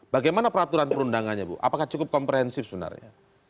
bagaimana peraturan perundangannya bu apakah cukup komprehensif sebenarnya